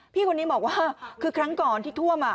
พี่คนนี้บอกว่าคือครั้งก่อนที่ท่วม